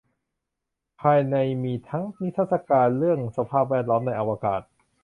ภายในมีทั้งนิทรรศการเรื่องสภาพแวดล้อมในอวกาศ